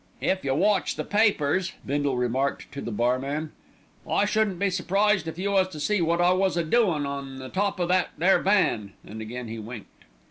"If you watch the papers," Bindle remarked to the barman, "I shouldn't be surprised if you was to see wot I was a doin' on the top of that there van," and again he winked.